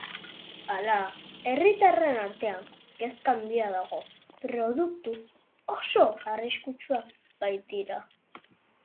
Hala, herritarren artean kezka handia dago, produktu oso arriskutsuak baitira.